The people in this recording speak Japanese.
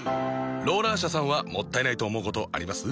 ローラー車さんはもったいないと思うことあります？